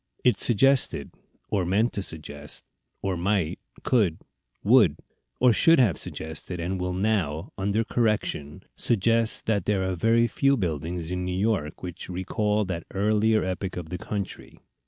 It suggested, or meant to suggest, or might, could, would, or should have suggested, and will now, under correction, suggest that there are very few buildings in New York which recall that earlier epoch of the country.